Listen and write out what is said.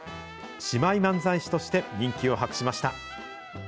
姉妹漫才師として人気を博しました。